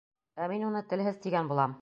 Ә мин уны телһеҙ тигән булам!